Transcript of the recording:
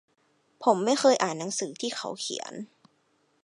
ผมไม่เคยอ่านหนังสือที่เขาเขียน